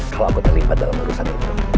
kalau aku terlibat dalam urusan itu